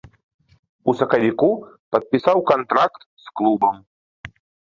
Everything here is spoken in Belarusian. У сакавіку падпісаў кантракт з клубам.